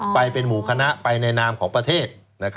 ไปเป็นหมู่คณะไปในนามของประเทศ